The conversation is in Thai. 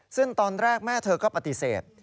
ซึ่งตอนแรกแม่เธอก็ปฏิเสธ